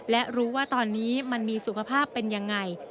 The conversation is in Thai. และรู้ว่าตอนนี้มันมีสุขภาพเป็นยังไง